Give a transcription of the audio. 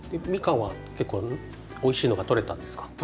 みかんは結構おいしいのがとれたんですか？